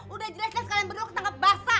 udah jelas jelas kalian berdua ketangkep basah